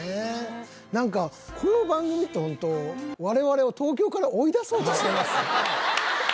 なんかこの番組ってホント我々を東京から追い出そうとしてます？